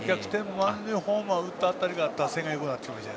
満塁ホームランを打った辺りから打線がよくなってきました。